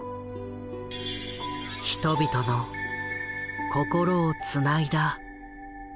人々の心をつないだスピーチ。